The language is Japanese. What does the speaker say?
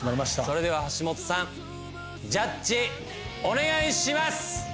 それでは橋本さんジャッジお願いします！